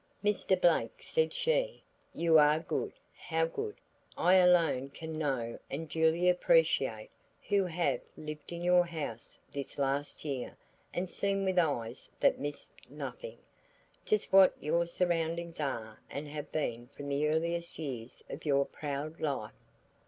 "Mr. Blake," said she, "you are good; how good, I alone can know and duly appreciate who have lived in your house this last year and seen with eyes that missed nothing, just what your surroundings are and have been from the earliest years of your proud life.